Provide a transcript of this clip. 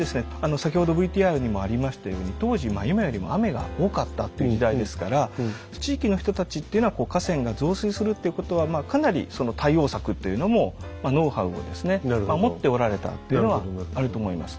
先ほどＶＴＲにもありましたように当時今よりも雨が多かったっていう時代ですから地域の人たちっていうのは河川が増水するっていうことはかなりその対応策というのもノウハウをですね持っておられたっていうのはあると思います。